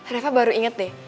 reva baru inget deh